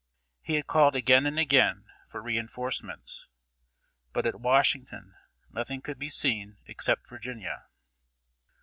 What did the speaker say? He had called again and again for re enforcements, but at Washington nothing could be seen except Virginia.